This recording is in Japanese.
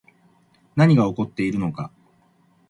何が起こっているのか